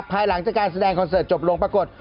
ภายหลังจากการแสดงคอนเสิร์ตจบลงปรากฏ